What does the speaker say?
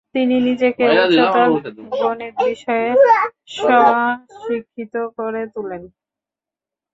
তিনি নিজেকে উচ্চতর গণিত বিষয়ে স্ব-শিক্ষিত করে তুলেন।